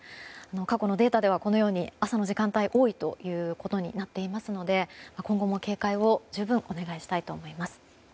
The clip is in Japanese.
過去のデータではこのように朝の時間帯が多いということになっていますので今後も警戒を十分お願いしたいと思います。